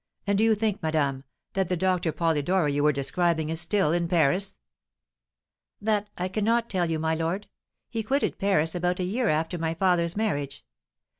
"And do you think, madame, that the Doctor Polidori you were describing is still in Paris?" "That I cannot tell you, my lord. He quitted Paris about a year after my father's marriage.